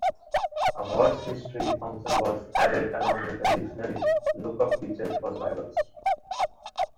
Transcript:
A verse history function was added along with a dictionary lookup feature for Bibles.